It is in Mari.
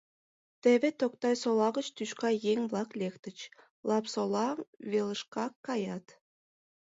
Теве Токтай-Сола гыч тӱшка еҥ-влак лектыч, Лап-Сола велышкак каят.